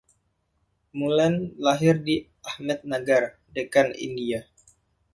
Mullane lahir di Ahmednagar, Deccan, India.